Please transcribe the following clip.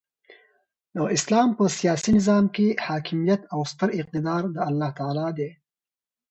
د اسلام په سیاسي نظام کښي حاکمیت او ستر اقتدار د االله تعالى دي.